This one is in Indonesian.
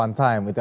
one time itu ya